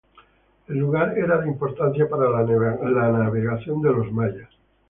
El lugar era de importancia para la navegación de los mayas.